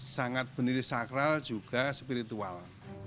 sangat bernilai sakral juga spiritual